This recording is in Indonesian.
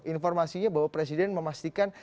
informasinya bahwa presiden memastikan